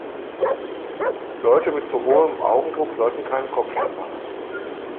Leute mit zu hohem Augendruck sollten keinen Kopfstand machen.